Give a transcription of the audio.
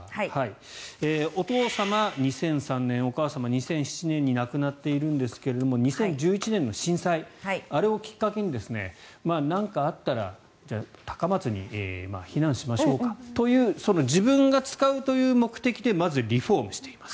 お父様、２００３年お母様、２００７年に亡くなっているんですが２０１１年の震災あれをきっかけに何かあったら高松に避難しましょうかという自分が使うという目的でまずリフォームしています。